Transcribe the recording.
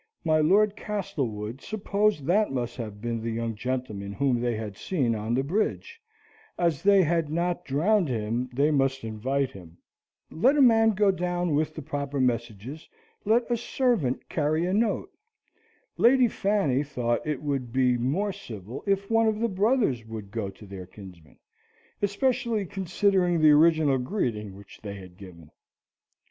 My Lord Castlewood supposed that must have been the young gentleman whom they had seen on the bridge, and as they had not drowned him they must invite him. Let a man go down with the proper messages, let a servant carry a note. Lady Fanny thought it would be more civil if one of the brothers would go to their kinsman, especially considering the original greeting which they had given.